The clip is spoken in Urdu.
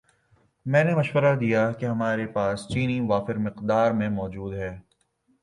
میں نے مشورہ دیا کہ ہماری پاس چینی وافر مقدار میں موجود ہے